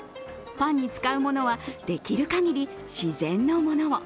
パンに使うものはできる限り自然のものを。